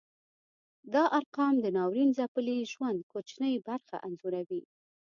دا ارقام د ناورین ځپلي ژوند کوچنۍ برخه انځوروي.